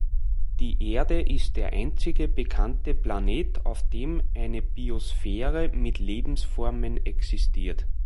Die Erde ist der einzige bekannte Planet, auf dem eine Biosphäre mit Lebensformen existiert.